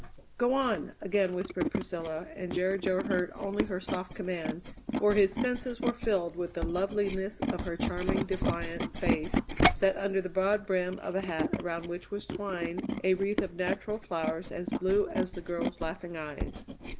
"Go on!" again whispered Priscilla, and Jerry Jo heard only her soft command, for his senses were filled with the loveliness of her charming, defiant face set under the broad brim of a hat around which was twined a wreath of natural flowers as blue as the girl's laughing eyes.